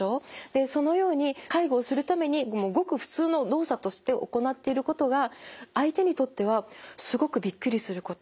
でそのように介護をするためにごく普通の動作として行っていることが相手にとってはすごくびっくりすること